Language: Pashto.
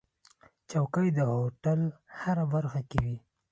چوکۍ د هوټل هره برخه کې وي.